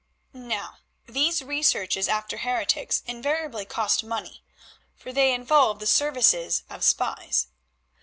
Now, these researches after heretics invariably cost money, for they involved the services of spies.